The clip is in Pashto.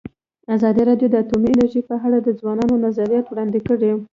ازادي راډیو د اټومي انرژي په اړه د ځوانانو نظریات وړاندې کړي.